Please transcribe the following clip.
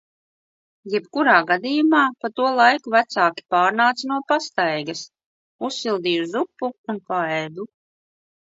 Jebkurā gadījumā pa to laiku vecāki pārnāca no pastaigas. Uzsildīju zupu un paēdu.